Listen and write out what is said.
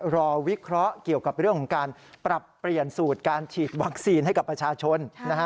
วิเคราะห์เกี่ยวกับเรื่องของการปรับเปลี่ยนสูตรการฉีดวัคซีนให้กับประชาชนนะฮะ